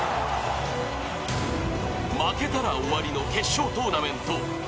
負けたら終わりの決勝トーナメント。